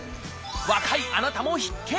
若いあなたも必見！